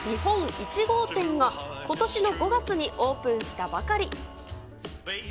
１号店が、ことしの５月にオープンしたばかり。